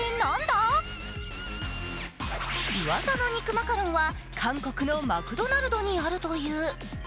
うわさの肉マカロンは韓国のマクドナルドにあるという。